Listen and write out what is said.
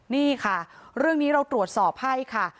นี่ค่ะเรื่องนี้เราตรวจสอบให้ค่ะ